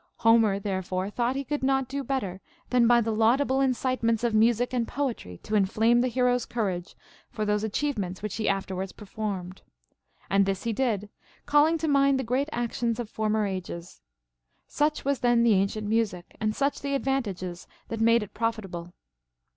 Homer therefore thought he could not do better than by the laudable incitements of music and poetry to inflame the hero's courage for those achieve ments which he afterwards performed. And this he did, calling to mind the great actions of former ages. Such was then the ancient music, and such the advantages that made it profitable.